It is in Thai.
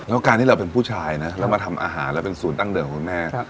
แล้วการที่เราเป็นผู้ชายนะแล้วมาทำอาหารแล้วเป็นศูนย์ตั้งเดิมของคุณแม่